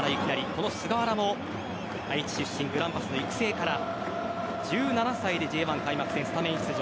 この菅原も愛知出身グランパスの育成から１７歳でＪ１開幕戦スタメン出場。